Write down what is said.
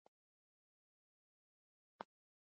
د مصر اهرامونه له فضا ښکاري.